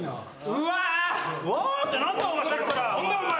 「うわ」って何だお前